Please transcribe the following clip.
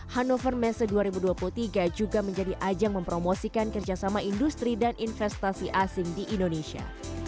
hannover messe dua ribu dua puluh tiga juga menjadi ajang mempromosikan kerjasama industri dan investasi asing di indonesia